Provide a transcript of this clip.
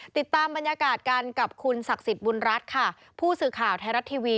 ติดตามบรรยากาศกันกับคุณศักดิ์สิทธิ์บุญรัฐค่ะผู้สื่อข่าวไทยรัฐทีวี